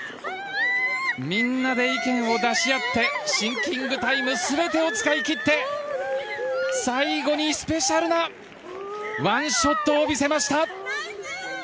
みんなで意見を出し合ってシンキングタイム全てを使い切って最後にスペシャルなワンショットを見せました。